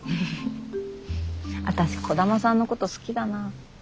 私兒玉さんのこと好きだな。